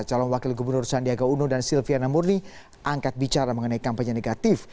calon wakil gubernur sandiaga uno dan silviana murni angkat bicara mengenai kampanye negatif